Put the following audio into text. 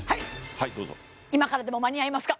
はいどうぞ今からでも間に合いますか？